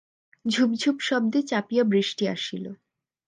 ঝুপ ঝুপ শব্দে চাপিয়া বৃষ্টি আসিল।